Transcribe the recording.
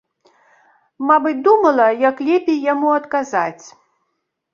Мабыць, думала, як лепей яму адказаць.